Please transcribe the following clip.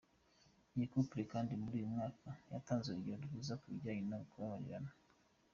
Iyi Couple kandi muri uyu mwaka, yatanze urugero rwiza ku bijyanye no kubabarirana.